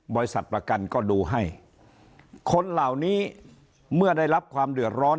บริษัทประกันก็ดูให้คนเหล่านี้เมื่อได้รับความเดือดร้อน